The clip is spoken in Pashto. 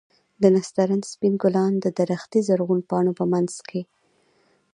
د نسترن سپين ګلان د درختې د زرغونو پاڼو په منځ کښې.